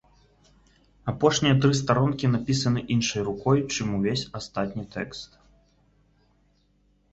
Апошнія тры старонкі напісаны іншай рукой, чым увесь астатні тэкст.